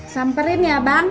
samperin ya bang